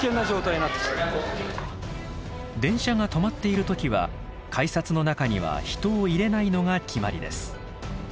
電車が止まっている時は改札の中には人を入れないのが決まりです。